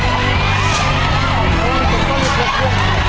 อุ๊ยฝันทางจำโดยมากเลยนะ